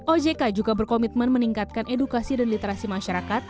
ojk juga berkomitmen meningkatkan edukasi dan literasi masyarakat